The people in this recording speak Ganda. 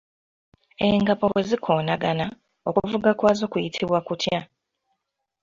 Engabo bwe zikoonagana, okuvuga kwazo kuyitibwa kutya?